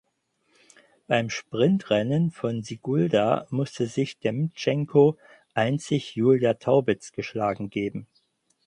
Beim Sprintrennen von Sigulda musste sich Demtschenko einzig Julia Taubitz geschlagen geben.